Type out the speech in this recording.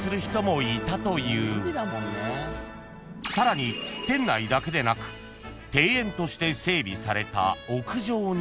［さらに店内だけでなく庭園として整備された］